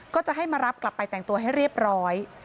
ก็จะให้มารับกลับไปแต่งตัวให้เรียบร้อย